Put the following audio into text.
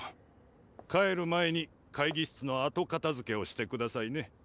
帰る前に会議室の後片づけをしてくださいね。